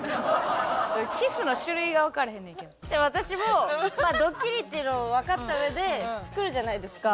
私もドッキリっていうのをわかったうえで作るじゃないですか。